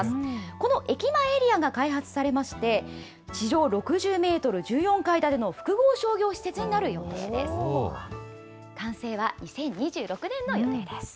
この駅前エリアが開発されまして、地上６０メートル１４階建ての複合商業施設になる予定です。